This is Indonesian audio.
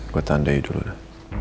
gua tandai dulu dah